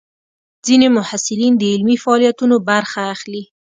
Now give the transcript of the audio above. ځینې محصلین د علمي فعالیتونو برخه اخلي.